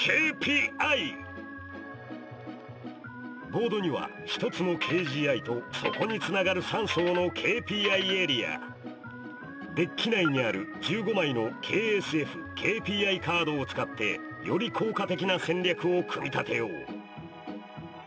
ボートには１つのＫＧＩとそこにつながる３層のＫＰＩエリアデッキ内にある１５枚のＫＳＦＫＰＩカードを使ってより効果的な戦略を組み立てよう！